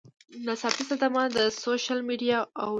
ناڅاپي صدمه ، سوشل میډیا اوور